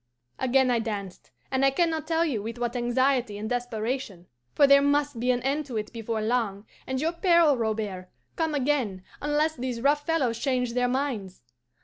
"Again I danced, and I can not tell you with what anxiety and desperation for there must be an end to it before long, and your peril, Robert, come again, unless these rough fellows changed their minds.